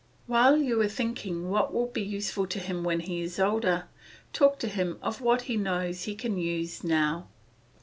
While you are thinking what will be useful to him when he is older, talk to him of what he knows he can use now.